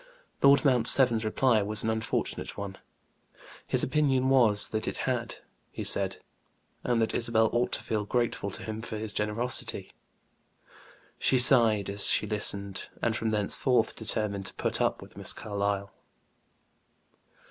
Lord Mount Severn's reply was an unfortunate one: his opinion was, that it had, he said; and that Isabel ought to feel grateful to him for his generosity. She sighed as she listened, and from thenceforth determined to put up with Miss Carlyle.